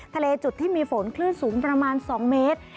ทะเลจุดที่มีฝนคลื่นสูงประมาณ๒เมตร